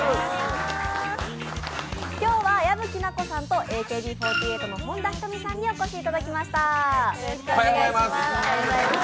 今日は矢吹奈子さんとＡＫＢ４８の本田仁美さんにお越しいただきました。